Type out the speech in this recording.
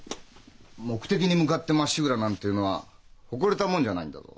目的に向かってまっしぐらなんていうのは誇れたもんじゃないんだぞ。